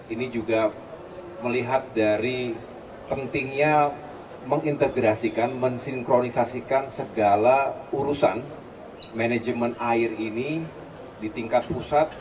ini juga melihat dari pentingnya mengintegrasikan mensinkronisasikan segala urusan manajemen air ini di tingkat pusat